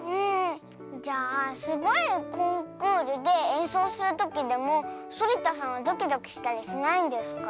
じゃあすごいコンクールでえんそうするときでもそりたさんはドキドキしたりしないんですか？